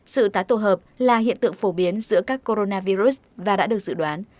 sự tái tổ hợp là hiện tượng phổ biến giữa các coronavirus và đã được dự đoán